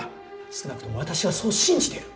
少なくとも私はそう信じている。